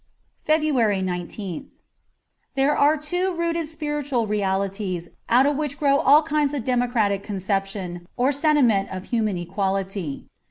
'' 54 FEBRUARY 19th THERE are two rooted spiritual realities out of which grow all kinds of democratic conception or sentiment of human equality.